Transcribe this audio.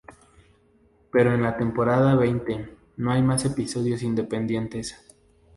Pero en la temporada veinte, no hay más episodios independientes.